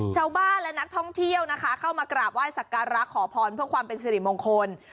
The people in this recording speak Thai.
ชาวบ้านและนักท่องเที่ยวนะคะเข้ามากราบไห้สักการะขอพรเพื่อความเป็นสิริมงคล